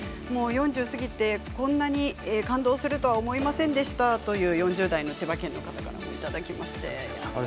４０過ぎてこんなに感動するとは思いませんでしたと４０代の千葉県の方からいただきました。